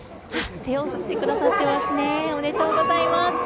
手を振ってくださってますね。おめでとうございます。